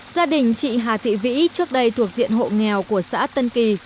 gia đình chị hà thị vĩ trước đây thuộc diện hộ nghèo của xã tân kỳ